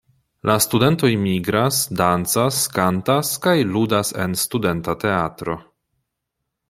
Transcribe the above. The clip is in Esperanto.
La studentoj migras, dancas, kantas kaj ludas en studenta teatro.